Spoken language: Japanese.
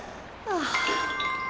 ああ。